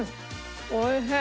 おいしい！